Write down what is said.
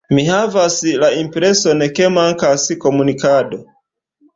Mi havas la impreson ke mankas komunikado.